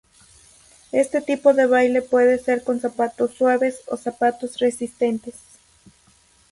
Este tipo de baile puede ser con "zapatos suaves" o "zapatos resistentes".